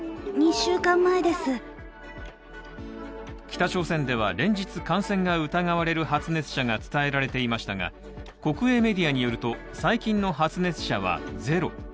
北朝鮮では連日、感染が疑われる発熱者が伝えられていましたが国営メディアによると、最近の発熱者はゼロ。